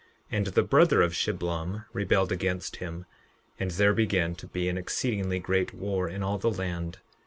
And the brother of Shiblom rebelled against him, and there began to be an exceedingly great war in all the land.